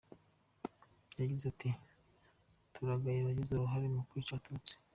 Yagize ati “Turagaya abagize uruhare mu kwica Abatutsi.